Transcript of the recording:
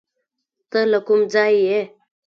ته له کوم ځایه یې؟